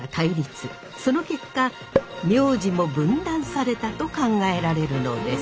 その結果名字も分断されたと考えられるのです。